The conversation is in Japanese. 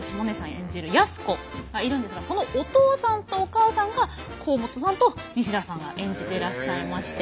演じる安子がいるんですがそのお父さんとお母さんが甲本さんと西田さんが演じてらっしゃいまして。